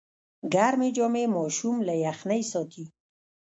ګرمې جامې ماشوم له یخنۍ ساتي۔